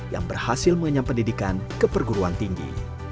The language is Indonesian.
yang berhasil mengenyam pendidikan ke perguruan tinggi